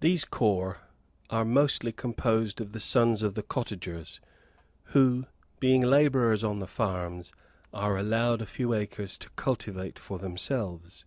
These corps are mostly composed of the sons of the cottagers, who being labourers on the farms, are allowed a few acres to cultivate for themselves.